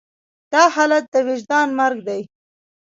دا حالت د وجدان مرګ دی.